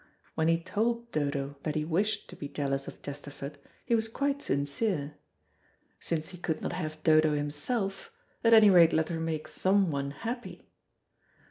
When he told Dodo that he wished to be jealous of Chesterford, he was quite sincere. Since he could not have Dodo himself, at any rate let her make someone happy.